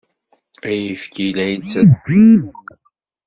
Ayefki la yettraḥ wissen amek.